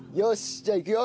じゃあいくよ。